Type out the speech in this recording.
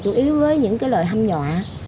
chủ yếu với những cái lời hâm nhọa